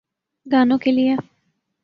گانوں کیلئے۔